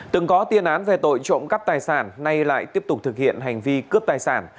từng có tiên án về tội trộm cắp tài sản nay lại tiếp tục thực hiện hành vi cướp tài sản